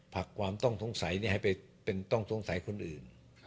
ผลักความต้องสงสัยให้ไปเป็นต้องสงสัยคนอื่น